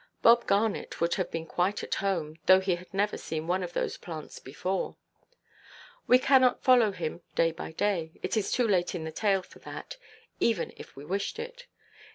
Bob Garnet would have been quite at home, though he had never seen one of those plants before. We cannot follow him, day by day. It is too late in the tale for that, even if we wished it.